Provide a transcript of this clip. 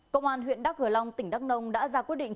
công an huyện đắk hờ long tỉnh đắk nông đã ra quyết định